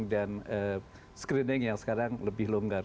dan screening yang sekarang lebih longgar